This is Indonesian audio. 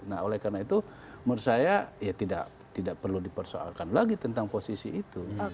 nah oleh karena itu menurut saya ya tidak perlu dipersoalkan lagi tentang posisi itu